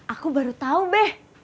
aku baru tau be